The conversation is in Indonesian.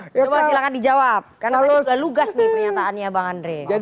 coba silahkan dijawab karena beliau sudah lugas nih pernyataannya bang andre